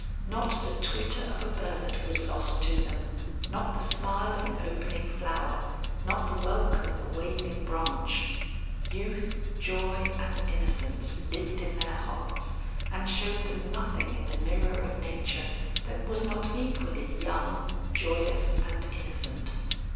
Not the twitter of a bird was lost to them, not the smile of an opening flower, not the welcome of a waving branch. Youth, joy, and innocence lived in their hearts and showed them nothing in the mirror of nature that was not equally young, joyous and innocent.